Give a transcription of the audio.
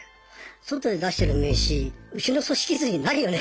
「外で出してる名刺うちの組織図にないよね？」